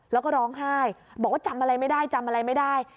แล้วก็ร้องไห้บอกว่าจำอะไรไม่ได้จำอะไรไม่ได้